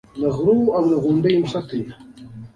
لواطت او بچه بازی د سپکو کم ذات خلکو عمل ده